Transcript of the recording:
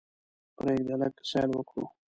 پریږده لږ سیل وکړو.